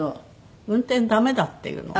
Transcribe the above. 「運転ダメだ」っていうのね。